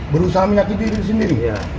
berusaha menyakiti diri sendiri